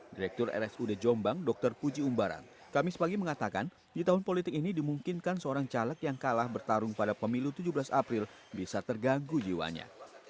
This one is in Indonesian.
direktur rsud jombang dr puji umbaran kamis pagi mengatakan di tahun politik ini dimungkinkan seorang caleg yang kalah bertarung pada pemilu tujuh belas april bisa terganggu jiwanya